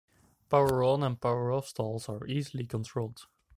Power-on and power-off stalls are easily controlled.